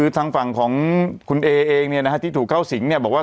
ทางฝั่งของเอข้าที่ถูกเก้าหสิงบอกว่า